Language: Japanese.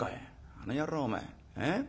あの野郎お前え？